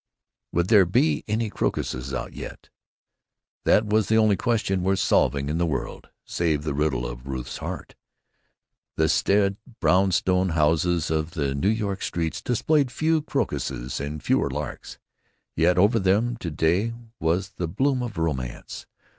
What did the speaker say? Would there be any crocuses out as yet? That was the only question worth solving in the world, save the riddle of Ruth's heart. The staid brownstone houses of the New York streets displayed few crocuses and fewer larks, yet over them to day was the bloom of romance.